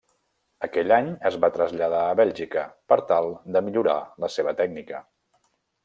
Aquell any es va traslladar a Bèlgica per tal de millorar la seva tècnica.